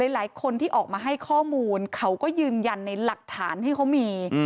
หลายคนที่ออกมาให้ข้อมูลเขาก็ยืนยันในหลักฐานที่เขามี